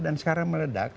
dan sekarang meledak